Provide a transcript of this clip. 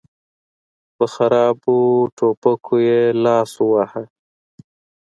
په خرابو ټوپکو يې لاس وواهه.